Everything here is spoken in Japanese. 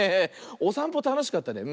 おさんぽたのしかったね。